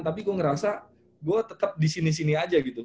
tapi gue ngerasa gue tetep disini sini aja gitu